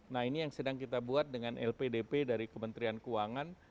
nah ini yang sedang kita buat dengan lpdp dari kementerian keuangan